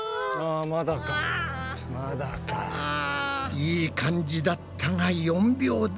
いい感じだったが４秒台。